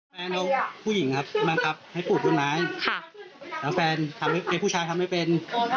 แฟนเอาผู้หญิงครับบังคับให้ปลูกต้นไม้แล้วแฟนทำเป็นผู้ชายทำไม่เป็น